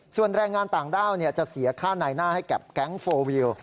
ส่วนแรงงานต่างด้าวจะเสียค่าในหน้าให้กับแก๊งโฟลวิว